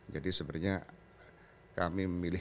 jadi sebenarnya kami memilih